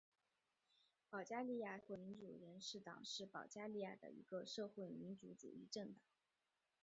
保加利亚社会民主人士党是保加利亚的一个社会民主主义政党。